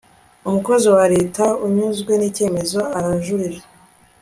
umukozi wa leta utanyuzwe n'icyemezo arajurira